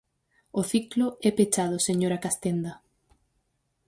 O ciclo é pechado, señora Castenda.